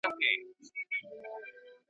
د آمو مستو څپوکي .